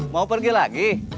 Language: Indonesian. mau pergi lagi